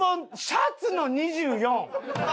シャツの２４！？